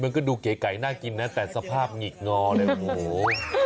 มันก็ดูเก๋ไก่น่ากินนะแต่สภาพหงิกงอเลยโอ้โห